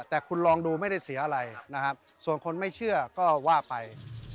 แต่คุณลองดูไม่ได้เสียอะไรนะครับส่วนคนไม่เชื่อก็ว่าไป